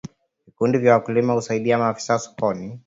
Vikundi vya wakulima huasaidia maafisa masoko